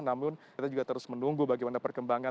namun kita juga terus menunggu bagaimana perkembangan